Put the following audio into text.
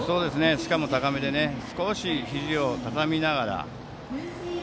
しかも高めで少し、ひじを高めながら。